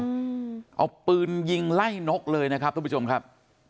อืมเอาปืนยิงไล่นกเลยนะครับทุกผู้ชมครับ